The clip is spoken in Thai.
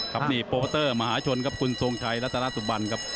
ครับนี่โปรเตอร์มหาชนครับคุณทรงชัยรัตนสุบันครับ